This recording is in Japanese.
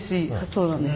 そうなんです。